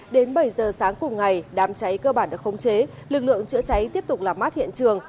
đến bảy giờ sáng cùng ngày đám cháy cơ bản được khống chế lực lượng chữa cháy tiếp tục làm mát hiện trường